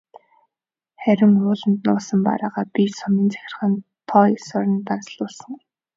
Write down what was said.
Харин ууланд нуусан бараагаа би сумын захиргаанд тоо ёсоор нь данслуулсан.